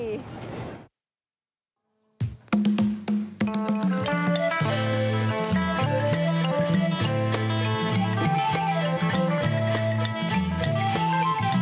ถามมาวันนี้คุณว่ามันต้องมารอไม๊